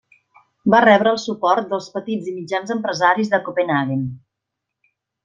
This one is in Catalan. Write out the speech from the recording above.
Va rebre el suport dels petits i mitjans empresaris de Copenhaguen.